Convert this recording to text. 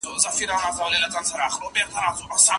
عدالت خو به اوس دلته چلېدلای